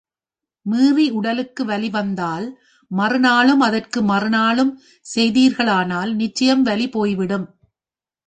மீறி உடலுக்கு வலி வந்தால், மறுநாளும் அதற்கு மறுநாளும் செய்தீர்களானால் நிச்சயம் வலி போய்விடும்.